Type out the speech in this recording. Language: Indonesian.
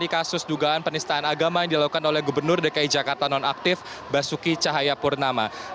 ya selamat siang punya